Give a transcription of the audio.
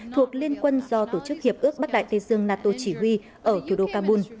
thuộc liên quân do tổ chức hiệp ước bắt lại tây dương nato chỉ huy ở thủ đô kabul